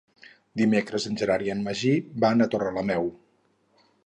Dimecres en Gerard i en Magí van a Torrelameu.